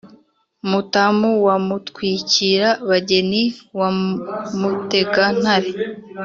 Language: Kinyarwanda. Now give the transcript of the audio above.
mutamu wa mutwikira-bageni wa mutega-ntare